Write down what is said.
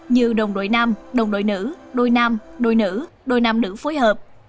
như đồng đội nam đồng đội nữ đôi nam đôi nữ đôi nam nữ phối hợp